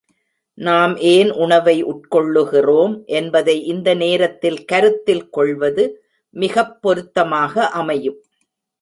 நாம் ஏன் உணவை உட்கொள்ளுகிறோம் என்பதை இந்த நேரத்தில் கருத்தில் கொள்வது மிகப் பொருத்தமாக அமையும்.